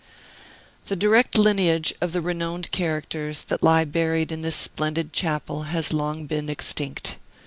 The direct lineage of the renowned characters that lie buried in this splendid chapel has long been extinct.